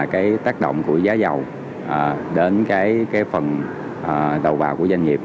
cái tác động của giá dầu đến cái phần đầu vào của doanh nghiệp